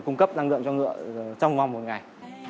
năng lượng cho ngựa trong vòng một ngày